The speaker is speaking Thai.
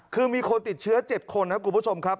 คือมีคนติดเชื้อ๗คนนะคุณผู้ชมครับ